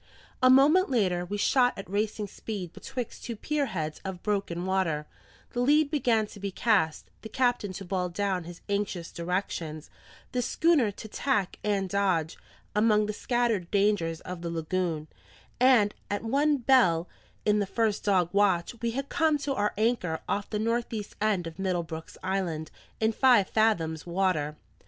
A moment later we shot at racing speed betwixt two pier heads of broken water; the lead began to be cast, the captain to bawl down his anxious directions, the schooner to tack and dodge among the scattered dangers of the lagoon; and at one bell in the first dog watch, we had come to our anchor off the north east end of Middle Brooks Island, in five fathoms water.